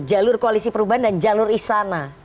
jalur koalisi perubahan dan jalur istana